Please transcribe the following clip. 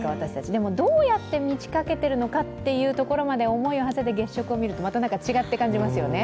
でも、どうやって満ち欠けているのかというところまで思いを馳せて月食を見るとまた違って感じますよね。